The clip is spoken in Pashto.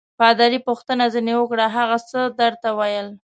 پادري پوښتنه ځینې وکړه: هغه څه درته ویل؟